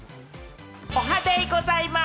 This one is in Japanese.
おはデイございます！